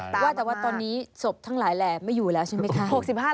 แต่ว่าตอนนี้สบทั้งหลายแหลไม่อยู่แล้วใช่ไหมคะ